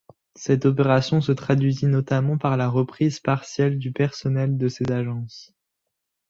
Cette opération se traduisit notamment par la reprise partielle du personnel de ces agences.